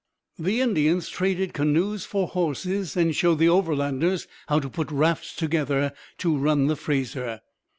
The Indians traded canoes for horses and showed the Overlanders how to put rafts together to run the Fraser.